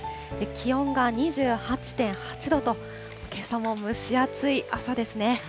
気温が２８．８度と、けさも蒸し暑い朝ですね。